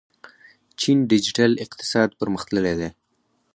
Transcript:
چین ډیجیټل اقتصاد پرمختللی دی.